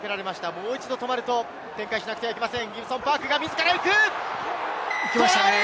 もう一度止まると展開しなくてはいけません。